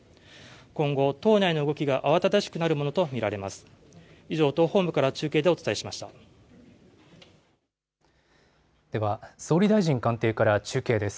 今後、党内の動きが慌ただしくなるものと見られます。